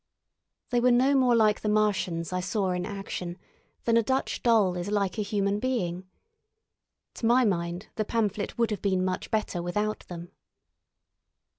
They were no more like the Martians I saw in action than a Dutch doll is like a human being. To my mind, the pamphlet would have been much better without them.